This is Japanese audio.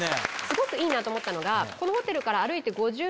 すごくいいなと思ったのがこのホテルから。